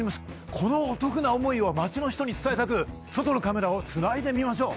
このお得な思いを街の人に伝えたく外のカメラをつないでみましょう。